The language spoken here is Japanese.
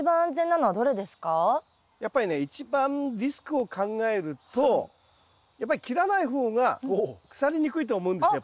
やっぱりね一番リスクを考えるとやっぱり切らない方が腐りにくいと思うんですよ